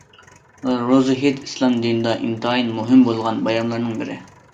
روزا ھېيت ئىسلام دىنىدا ئىنتايىن مۇھىم بولغان بايراملارنىڭ بىرى.